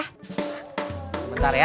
hah bentar ya